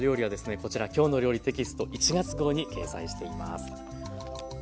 こちら「きょうの料理」テキスト１月号に掲載しています。